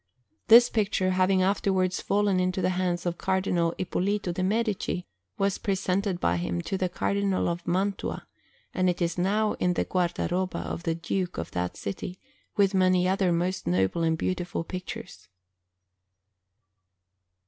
This picture, having afterwards fallen into the hands of Cardinal Ippolito de' Medici, was presented by him to the Cardinal of Mantua; and it is now in the guardaroba of the Duke of that city, with many other most noble and beautiful pictures.